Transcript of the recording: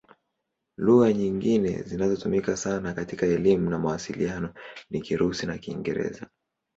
Lugha nyingine zinazotumika sana katika elimu na mawasiliano ni Kirusi na Kiingereza.